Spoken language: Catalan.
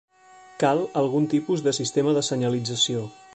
Cal algun tipus de sistema de senyalització.